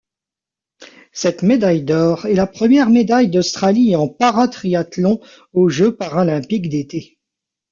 Cette médaille d'or est la première médaille d'Australie en paratriathlon aux Jeux paralympiques d'été.